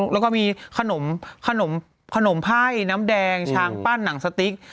แล้วก็มีขนมไพ่น้ำแดงชางปั้นหนังสติ๊ก